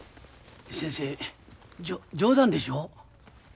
先生じょ冗談でしょう？